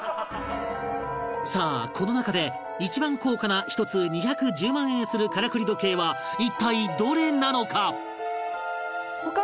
さあこの中で一番高価な１つ２１０万円するからくり時計は一体どれなのか？